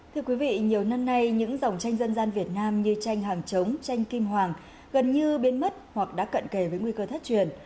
thưa quý vị nhiều năm nay những dòng tranh dân gian việt nam như tranh hàng chống tranh kim hoàng gần như biến mất hoặc đã cận kề với nguy cơ thất truyền